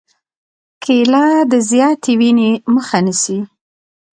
کېله د زیاتې وینې مخه نیسي.